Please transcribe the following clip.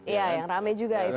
iya yang rame juga itu